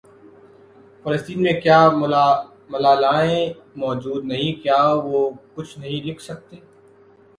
فلسطین میں کیا ملالائیں موجود نہیں کیا وہ کچھ نہیں لکھ سکتیں